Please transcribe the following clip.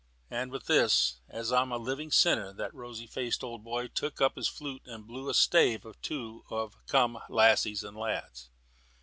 '" And with this, as I am a living sinner, the rosy faced old boy took up his flute and blew a stave or two of "Come, Lasses and Lads."